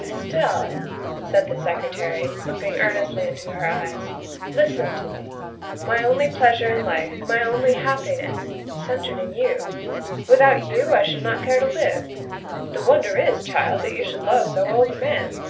" Estelle," said the Secretary, looking earnestly into her eyes, " listen to me. My only pleasure in life, my only happiness, is centred in you ; without you I should not care to live. The wonder is, child, that you should love so old a man."